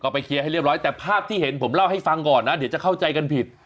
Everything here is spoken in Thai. ไปเคลียร์ให้เรียบร้อยแต่ภาพที่เห็นผมเล่าให้ฟังก่อนนะเดี๋ยวจะเข้าใจกันผิด